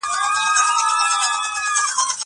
زه هره ورځ قلم استعمالوم!!